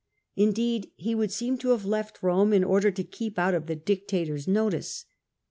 Indeed, he would seem to have left Rome in order to keep out of the dictator's notice.